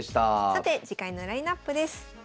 さて次回のラインナップです。